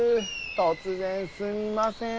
突然すみません。